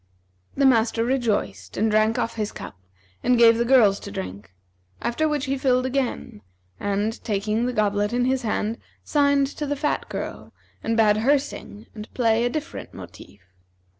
The master rejoiced and drank off his cup and gave the girls to drink; after which he filled again; and, taking the goblet in his hand, signed to the fat girl and bade her sing and play a different motive.